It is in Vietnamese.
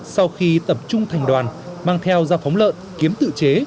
sau khi tập trung thành đoàn mang theo dao phóng lợn kiếm tự chế